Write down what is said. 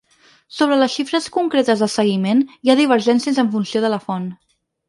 Sobre les xifres concretes de seguiment, hi ha divergències en funció de la font.